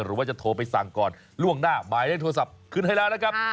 หรือว่าจะโทรไปสั่งก่อนล่วงหน้าหมายเลขโทรศัพท์ขึ้นให้แล้วนะครับ